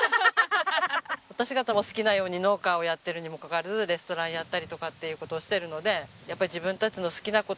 私方も好きなように農家をやってるにもかかわらずレストランやったりとかっていう事をしてるので。